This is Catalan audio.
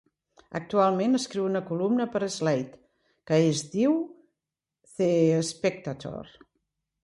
Actualment escriu una columna per a "Slate" que es diu "The Spectator".